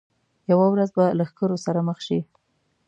یوه ورځ به له ښکرور سره مخ شي.